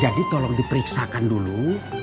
jadi tolong diperiksakan dulu